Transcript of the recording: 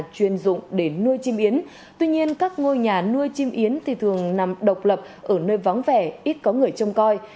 chuyên dụng để nuôi chim yến tuy nhiên các ngôi nhà nuôi chim yến thì thường nằm độc lập ở nơi vắng vẻ ít có người trông coi